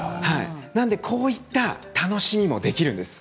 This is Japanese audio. こういった楽しみもできるんです。